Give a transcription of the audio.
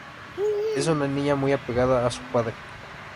Es una niña muy apegada a su padre.